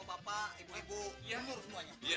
pak ibu nur semuanya